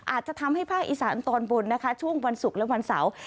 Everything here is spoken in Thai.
อาจจะทำให้ภาคอีสานตอนบนนะคะช่วงวันศุกร์และวันเสาร์